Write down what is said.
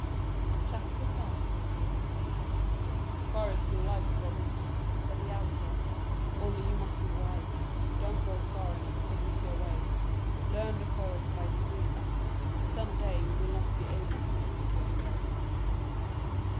CHAPTER V "As far as you like, Robin," said the outlaw, "only you must be wise. Don't go far enough to lose your way. Learn the forest by degrees. Some day you will not be able to lose yourself."